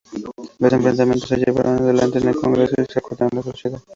Los enfrentamientos se llevaron adelante en el Congreso y sacudieron a la sociedad.